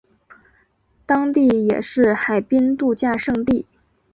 当地也是海滨度假胜地。